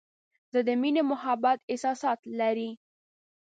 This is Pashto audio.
زه د مینې او محبت احساسات لري.